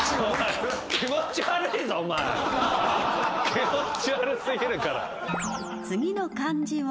気持ち悪すぎるから。